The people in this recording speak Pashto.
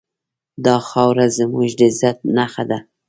دا خاوره زموږ د عزت نښه ده.